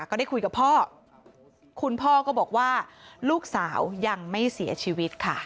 ก็ได้คุยกับพ่อคุณพ่อก็บอกว่าลูกสาวยังไม่เสียชีวิตค่ะ